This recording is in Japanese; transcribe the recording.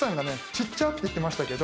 「ちっちゃっ！」って言ってましたけど